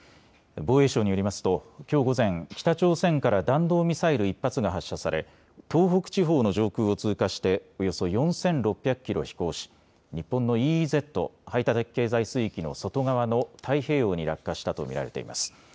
防衛省によりますときょう午前、北朝鮮から弾道ミサイル１発が発射され、東北地方の上空を通過しておよそ４６００キロ飛行し日本のＥＥＺ・排他的経済水域の外側の太平洋に落下したと見られています。